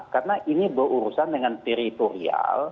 karena ini berurusan dengan teritorial